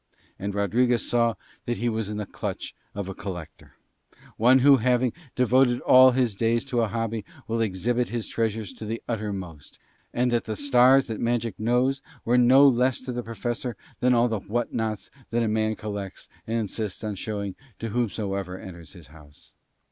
And Rodriguez saw that he was in the clutch of a collector, one who having devoted all his days to a hobby will exhibit his treasures to the uttermost, and that the stars that magic knows were no less to the Professor than all the whatnots that a man collects and insists on showing to whomsoever enters his house.